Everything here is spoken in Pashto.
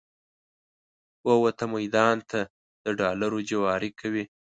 ووته میدان ته د ډالرو جواري کوي